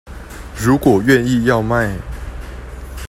如果願意要賣